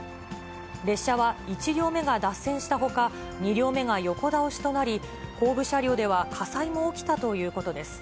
列車は１両目が脱線したほか、２両目が横倒しとなり、後部車両では火災も起きたということです。